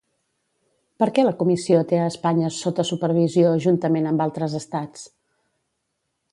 Per què la Comissió té a Espanya sota supervisió juntament amb altres estats?